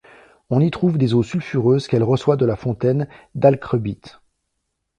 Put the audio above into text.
On y trouve des eaux sulfureuses qu’elle reçoit de la fontaine d'Alcrebite.